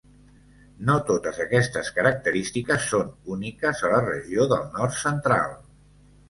No totes aquestes característiques són úniques a la regió del nord central.